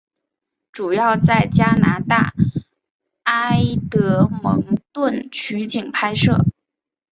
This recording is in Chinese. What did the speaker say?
主要在加拿大埃德蒙顿取景拍摄。